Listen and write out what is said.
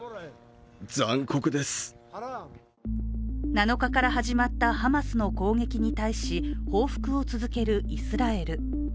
７日から始まったハマスの攻撃に対し報復を続けるイスラエル。